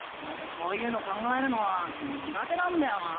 こういうの考えるのはにが手なんだよな。